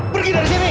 pergi dari sini